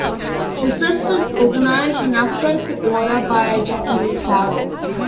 This list is organized in alphabetical order by Japanese title.